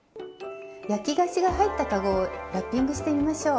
焼き菓子が入った籠をラッピングしてみましょう！